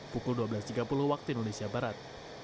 pukul dua belas tiga puluh waktu indonesia barat